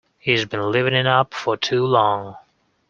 He's been living it up for too long.